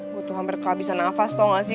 gue tuh hampir kehabisan nafas tau gak sih